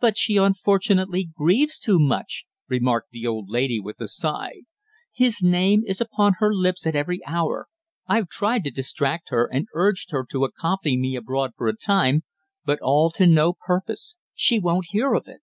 "But she unfortunately grieves too much," remarked the old lady with a sigh. "His name is upon her lips at every hour. I've tried to distract her and urged her to accompany me abroad for a time, but all to no purpose. She won't hear of it."